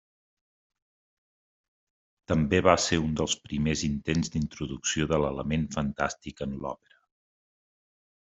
També va ser un dels primers intents d'introducció de l'element fantàstic en l'òpera.